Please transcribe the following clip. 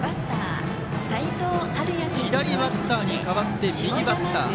左バッターに代わって右バッター。